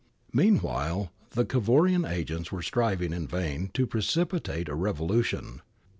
Meanwhile, the Cavourian agents were striving in vain to precipitate a revolution.'